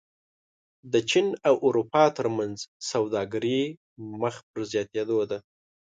د چین او اروپا ترمنځ سوداګري مخ په زیاتېدو ده.